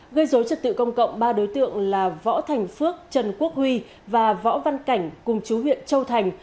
gây dối trật tự công cộng ba đối tượng là võ thành phước trần quốc huy và võ văn cảnh cùng chú huyện châu thành